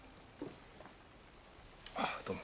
あっどうも。